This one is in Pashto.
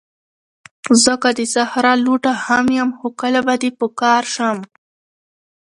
زه که د صحرا لوټه هم یم، خو کله به دي په کار شم